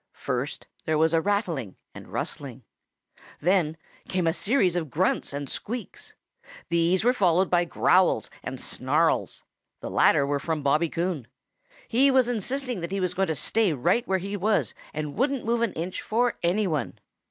First there was a rattling and rustling. Then came a series of grunts and squeaks. These were followed by growls and snarls. The latter were from Bobby Coon. He was insisting that he was going to stay right where he was and wouldn't move an inch for any one.